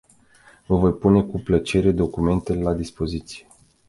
Vă voi pune cu plăcere documentele la dispoziție.